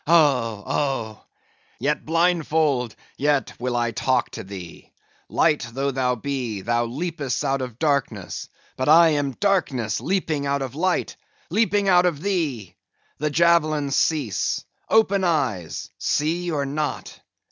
Oh, oh! Yet blindfold, yet will I talk to thee. Light though thou be, thou leapest out of darkness; but I am darkness leaping out of light, leaping out of thee! The javelins cease; open eyes; see, or not?